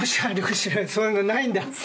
そういうのないんだ。